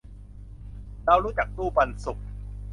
เรารู้จักตู้ปันสุข